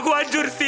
aku anjur sil